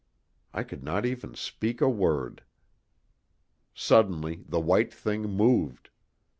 I could not even speak a word. Suddenly the white thing moved.